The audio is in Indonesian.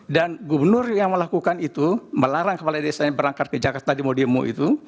dan gubernur yang melakukan itu melarang kepala desa yang berangkat ke jakarta di modemo itu